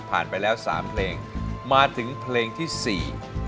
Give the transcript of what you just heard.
ผ่านไปแล้ว๓เพลงมาถึงเพลงที่๔